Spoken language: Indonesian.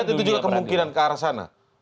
anda melihat itu juga kemungkinan ke arah sana